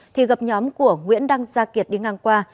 thì gặp nhóm của nguyễn đăng gia kiệt đi ngang qua